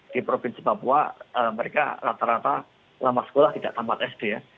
di provinsi papua mereka rata rata lama sekolah tidak tampak sd ya